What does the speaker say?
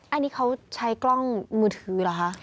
อันนี้เขาใช้กล้องมือถือเหรอคะ